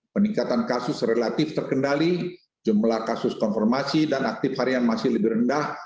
peningkatan kasus relatif terkendali jumlah kasus konfirmasi dan aktif varian masih lebih rendah